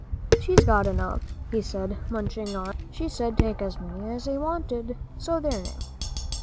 "She's got enough," he said, munching on. "She said, take as many's I wanted. So there now!"